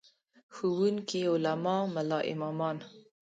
ښوونکي، علما، ملا امامان.